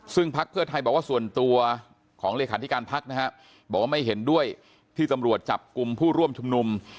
ซึ่งพักเพื่อไทยบอกว่าส่วนตัวของเลขาธิการพักนะฮะบอกว่าไม่เห็นด้วยที่ตำรวจจับกลุ่มผู้ร่วมชุมนุม